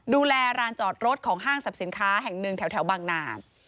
ดูแลร้านจอดรถของห้างสรรพสินค้าแห่งหนึ่งแถวบางนา